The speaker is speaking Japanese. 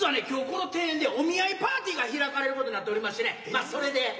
今日この庭園でお見合いパーティーが開かれることになっておりましてまあそれで。